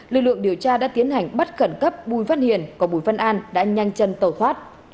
lực lượng điều tra đã tiến hành bắt khẩn cấp bùi văn hiền và bùi văn an đã nhanh chân tàu thoát